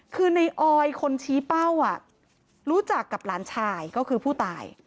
คือในออยคนชี้เป้ารู้จักกับหลานชายก็คือผู้ตาย